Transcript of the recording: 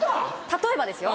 例えばですよ